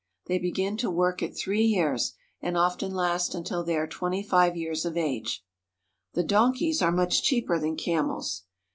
They begin to work at three years, and often last until they are twenty five years of age. The donkeys are much cheaper than camels.